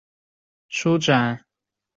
书展成为暑期的香港阅读周。